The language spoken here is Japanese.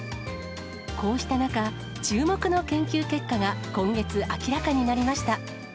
こうした中、注目の研究結果が今月、明らかになりました。